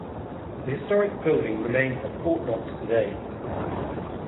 This historic building remains at Fort Knox today.